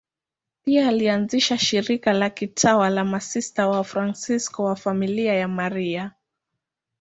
Pia alianzisha shirika la kitawa la Masista Wafransisko wa Familia ya Maria.